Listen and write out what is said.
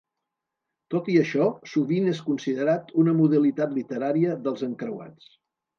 Tot i això, sovint és considerat una modalitat literària dels encreuats.